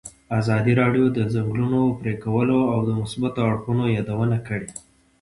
ازادي راډیو د د ځنګلونو پرېکول د مثبتو اړخونو یادونه کړې.